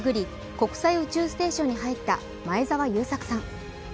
国際宇宙ステーションに入った前澤友作さん。